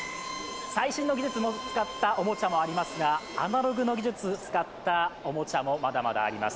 最新の技術を使ったおもちゃもありますが、アナログの技術を使ったおもちゃもまだまだあります。